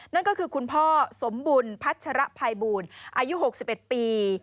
นั่นก็คือคุณพ่อสมบุญพัชรภัยบูลอายุ๖๑ปี